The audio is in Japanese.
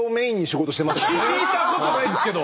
聞いたことないっすけど！